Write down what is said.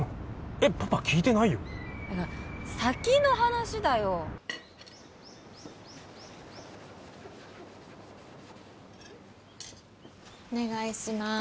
えっパパ聞いてないよだから先の話だよお願いします